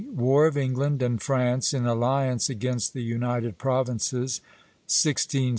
WAR OF ENGLAND AND FRANCE IN ALLIANCE AGAINST THE UNITED PROVINCES, 1672 1674.